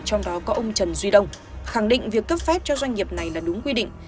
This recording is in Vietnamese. trong đó có ông trần duy đông khẳng định việc cấp phép cho doanh nghiệp này là đúng quy định